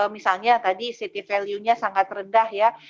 misalnya tadi city value nya sangat rendah ya